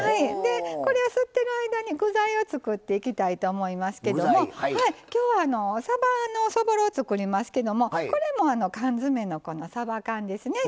これが吸ってる間に具材を作っていきたいと思いますけども今日はさばのそぼろを作りますけどもこれも缶詰のこのさば缶ですね。